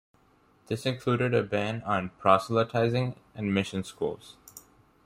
This included a ban on proselytising and mission schools.